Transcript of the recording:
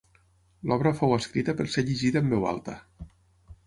L'obra fou escrita per ser llegida en veu alta.